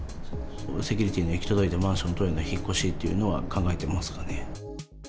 セキュリティーの行き届いたマンション等への引っ越しというのは考えていますかね。